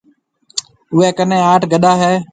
اوَي ڪنَي آٺ گڏا هيَ۔